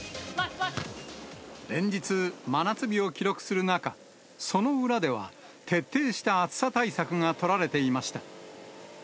連日、真夏日を記録する中、その裏では、徹底した暑さ対策が取られていました。